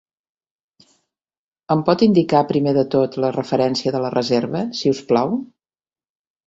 Em pot indicar primer de tot la referència de la reserva, si us plau?